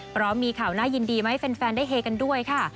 เพราะมีข่าวน่ายินดีมาให้แฟนได้เฮกันด้วยค่ะ